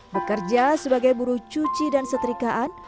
bekerja sebagai buruh cuci dan setrikaan